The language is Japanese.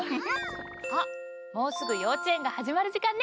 あっもうすぐ幼稚園が始まる時間ね。